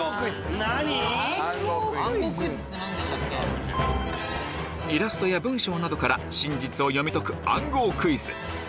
イラストや文章などから真実を読み解く暗号クイズ